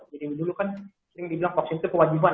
jadi dulu kan sering dibilang vaksin itu kewajiban